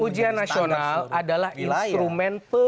ujian nasional adalah instrumen